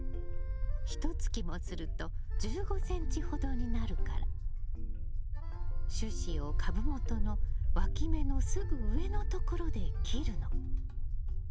ひとつきもすると１５ｃｍほどになるから主枝を株元のわき芽のすぐ上のところで切るの。